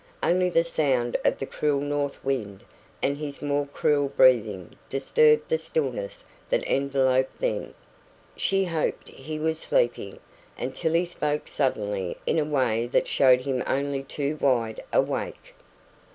Only the sound of the cruel north wind and his more cruel breathing disturbed the stillness that enveloped them. She hoped he was sleeping, until he spoke suddenly in a way that showed him only too wide awake.